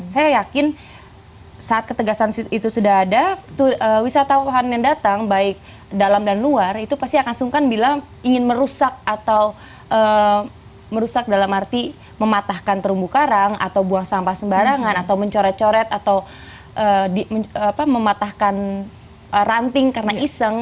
saya yakin saat ketegasan itu sudah ada wisatawan yang datang baik dalam dan luar itu pasti akan sungkan bila ingin merusak atau merusak dalam arti mematahkan terumbu karang atau buang sampah sembarangan atau mencoret coret atau mematahkan ranting karena iseng